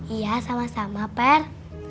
iya sama sama per